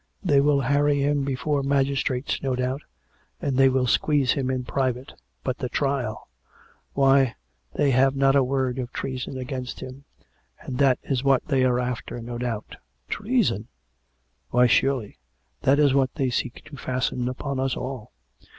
They will harry him before magistrates, no 232 COME RACK! COME ROPE! doubt; and they will squeeze him in private. But the trial !... Why, they have not a word of treason against him; and that is what they are after, no doubt." " Treason ?"" Why, surely. That is what they seek to fasten upon us all.